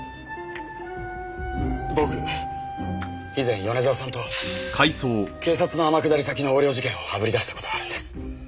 僕以前米沢さんと警察の天下り先の横領事件をあぶり出した事があるんです。